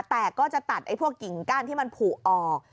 แต่ก็จะตัดพวกกิ่งก้านที่มันผูกออก